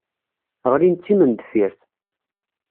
Ɣlin d timendeffirt.